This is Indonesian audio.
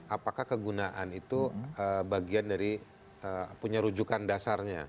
apakah kegunaan itu bagian dari punya rujukan dasarnya